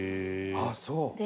あっそう。